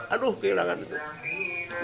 aduh kehilangan itu